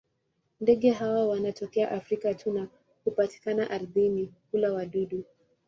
Ndege hawa wanatokea Afrika tu na hupatikana ardhini; hula wadudu.